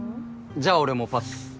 ・じゃ俺もパス。